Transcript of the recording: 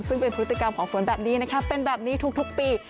ซึ่งเป็นพฤติกรรมของฝนแบบนี้นะคะเป็นแบบนี้ทุกปี